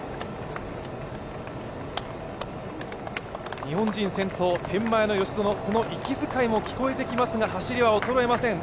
日本人先頭、天満屋の吉薗、その息づかいも聞こえてきますが走りは衰えません。